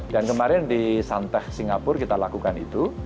dan kemarin di santai singapura kita lakukan itu